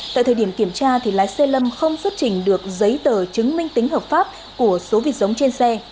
tại thời điểm kiểm tra lái xe lâm không xuất trình được giấy tờ chứng minh tính hợp pháp của số vịt giống trên xe